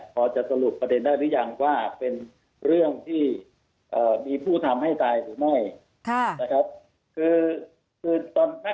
พอจะสรุปประเด็นได้หรือยังว่าเป็นเรื่องที่มีผู้ทำให้ตายหรือไม่นะครับ